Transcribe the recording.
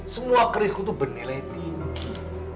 semua kerisku itu bernilai tinggi